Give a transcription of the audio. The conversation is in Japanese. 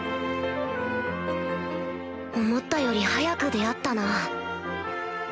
思ったより早く出会ったな